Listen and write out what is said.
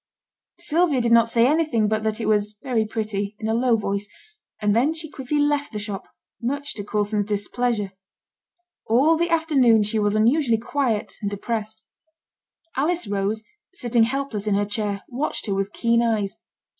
Sylvia did not say anything but that it was very pretty, in a low voice, and then she quickly left the shop, much to Coulson's displeasure. All the afternoon she was unusually quiet and depressed. Alice Rose, sitting helpless in her chair, watched her with keen eyes.